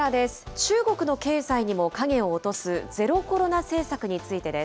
中国の経済にも影を落とすゼロコロナ政策についてです。